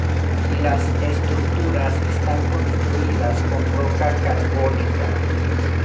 Las estructuras están construidas con roca carbónica.